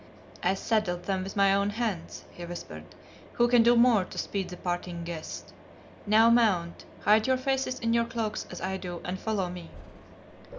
"I saddled them with my own hands," he whispered. "Who can do more to speed the parting guest? Now mount, hide your faces in your cloaks as I do, and follow me."